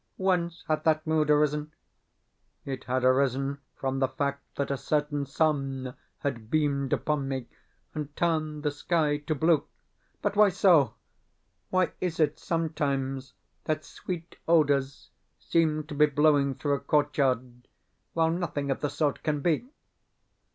Whence had that mood arisen? It had arisen from the fact that a certain sun had beamed upon me, and turned the sky to blue. But why so? Why is it, sometimes, that sweet odours seem to be blowing through a courtyard where nothing of the sort can be?